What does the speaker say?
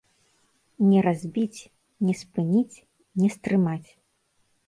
Не разбіць, не спыніць, не стрымаць!